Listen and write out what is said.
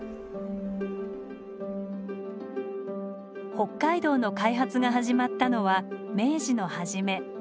北海道の開発が始まったのは明治の初め。